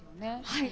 はい。